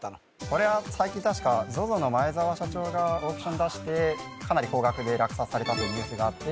これは最近確かＺＯＺＯの前澤社長がオークションに出してかなり高額で落札されたとニュースがあって